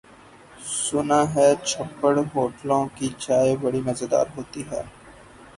سنا ہے چھپر ہوٹلوں کی چائے بڑی مزیدار ہوتی ہے۔